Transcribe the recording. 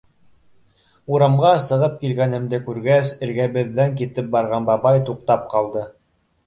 Урамға сығып килгәнгемде күргәс, эргәбеҙҙән китеп барған бабай туҡтап ҡалды.